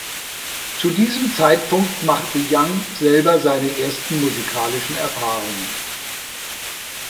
Zu diesem Zeitpunkt machte Young selber seine ersten musikalischen Erfahrungen.